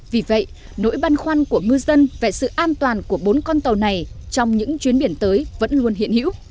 vì vậy nỗi băn khoăn của ngư dân về sự an toàn của bốn con tàu này trong những chuyến biển tới vẫn luôn hiện hữu